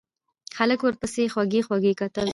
هلک ورپسې خوږې خوږې کتلې.